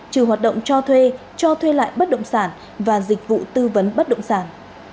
trừ hoạt động cho thuê cho thuê lại bất động sản và dịch vụ tư vấn bất động sản